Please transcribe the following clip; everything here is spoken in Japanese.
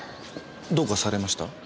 どうかされました？